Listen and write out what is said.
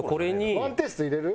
ワンテイスト入れる？